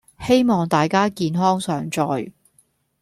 希望大家健康常在